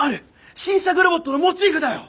新作ロボットのモチーフだよ！